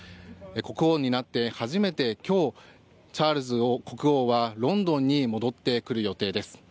国王になって初めて今日チャールズ国王はロンドンに戻ってくる予定です。